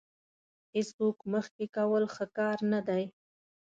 هېڅوک مخکې کول ښه کار نه دی.